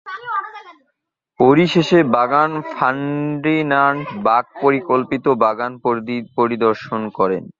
পরিশেষে বাগান Ferdinand Bac পরিকল্পিত বাগান পরিদর্শন করেন।